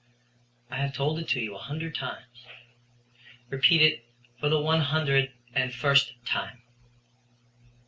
"I have told it to you a hundred times." "Repeat it for the one hundred and first time."